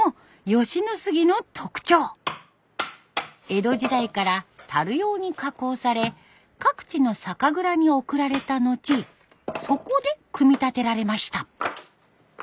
江戸時代から用に加工され各地の酒蔵に送られた後そこで組み立てられました。